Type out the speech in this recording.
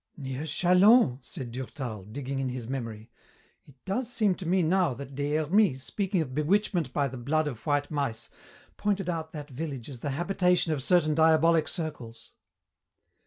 "Near Châlons," said Durtal, digging in his memory, "it does seem to me now that Des Hermies, speaking of bewitchment by the blood of white mice, pointed out that village as the habitation of certain diabolic circles."